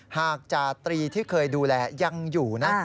หากจาตรีที่เคยดูแลยังอยู่นะ